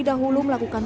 di kukul kakak